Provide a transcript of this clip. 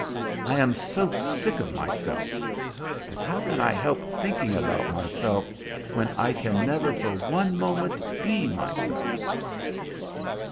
I am so sick of myself! But how can I help thinking about myself when I can never for one moment be myself?"